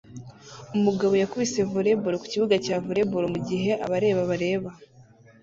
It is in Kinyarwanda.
Umugabo yakubise volleyball ku kibuga cya volley ball mu gihe abareba bareba